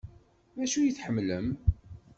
D acu ay tḥemmlem?